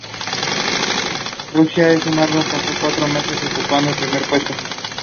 Arjuna was proud that there is no greater devotee of Krishna than him.